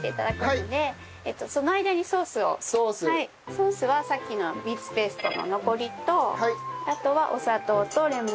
ソースはさっきのビーツペーストの残りとあとはお砂糖とレモン汁ですね。